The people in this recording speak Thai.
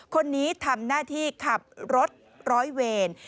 คนนี้ทำหน้าที่ขับรถร้อยเวร